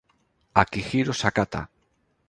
Akihiro Sakata